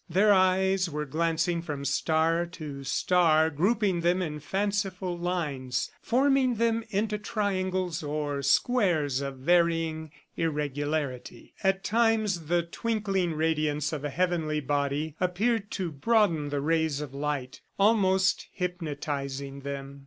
Their eyes were glancing from star to star, grouping them in fanciful lines, forming them into triangles or squares of varying irregularity. At times, the twinkling radiance of a heavenly body appeared to broaden the rays of light, almost hypnotizing them.